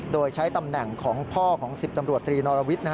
โดยใช้ตำแหน่งของพ่อของ๑๐ตำรวจตรีนอรวิทย์